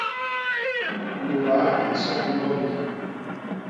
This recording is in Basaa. Mudaa a nsomb boli.